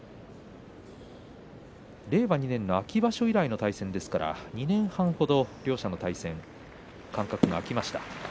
令和２年の秋場所以来の対戦ですから２年半程、両者の対戦間隔が空きました。